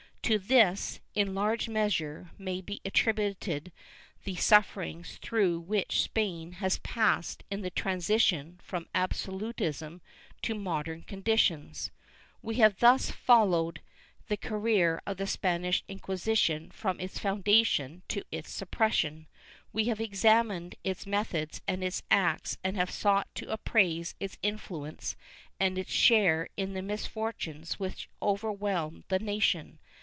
To this, in large measure, may be attributed the sufferings through which Spain has passed in the transition from absolutism to modern conditions. We have thus followed the career of the Spanish Inquisition from its foundation to its suppression; we have examined its methods and its acts and have sought to appraise its influence and its share in the misfortunes which overwhelmed the nation.